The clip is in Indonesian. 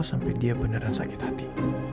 sampai dia beneran sakit hati